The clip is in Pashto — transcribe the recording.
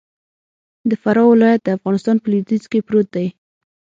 د فراه ولايت د افغانستان په لویدیځ کی پروت دې.